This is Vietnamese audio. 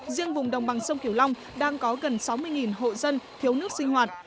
riêng vùng đồng bằng sông kiểu long đang có gần sáu mươi hộ dân thiếu nước sinh hoạt